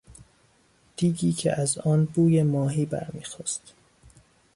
دیگی که از آن بوی ماهی برمیخاست